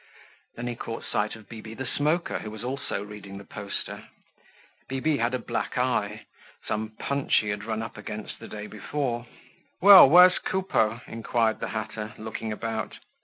Then he caught sight of Bibi the Smoker, who was also reading the poster. Bibi had a black eye; some punch he had run up against the day before. "Well! Where's Coupeau?" inquired the hatter, looking about.